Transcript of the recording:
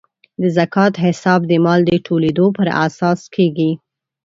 د زکات حساب د مال د ټولیدو پر اساس کیږي.